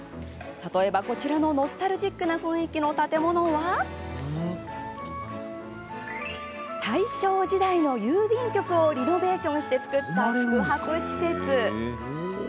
例えば、こちらのノスタルジックな雰囲気の建物は大正時代の郵便局をリノベーションしてつくった宿泊施設。